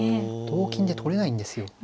同金で取れないんですよ。